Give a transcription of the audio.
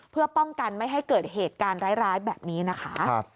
เพื่อป้องกันไม่ให้เกิดเหตุการณ์ร้ายแบบนี้นะคะ